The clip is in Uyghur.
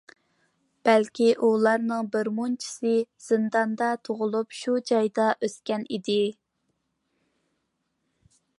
بەلكى ئۇلارنىڭ بىرمۇنچىسى زىنداندا تۇغۇلۇپ، شۇ جايدا ئۆسكەن ئىدى.